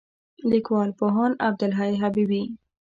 لیکوال: پوهاند عبدالحی حبیبي